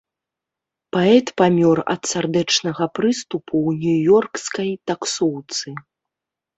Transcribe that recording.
Паэт памёр ад сардэчнага прыступу ў нью-ёркскай таксоўцы.